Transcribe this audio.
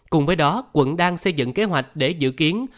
cùng với đó quận đang xây dựng kế hoạch để dự kiến